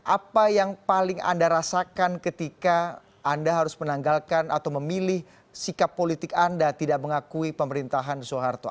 apa yang paling anda rasakan ketika anda harus menanggalkan atau memilih sikap politik anda tidak mengakui pemerintahan soeharto